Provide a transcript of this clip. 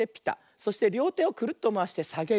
そしてりょうてをクルッとまわしてさげる。